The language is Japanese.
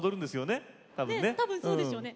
ねっ多分そうでしょうね。